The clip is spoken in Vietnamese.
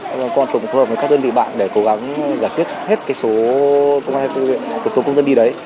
công an phường cũng phù hợp với các đơn vị bạn để cố gắng giải quyết hết số công dân đi đấy